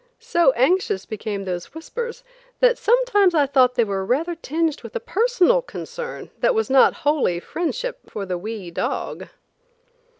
So anxious became those whispers that sometimes I thought they were rather tinged with a personal concern that was not wholly friendship for the wee dog.